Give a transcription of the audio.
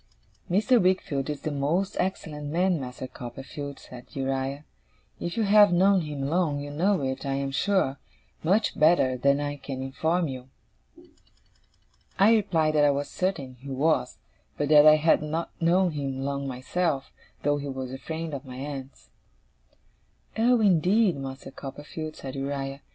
'Mr. Wickfield is a most excellent man, Master Copperfield,' said Uriah. 'If you have known him long, you know it, I am sure, much better than I can inform you.' I replied that I was certain he was; but that I had not known him long myself, though he was a friend of my aunt's. 'Oh, indeed, Master Copperfield,' said Uriah.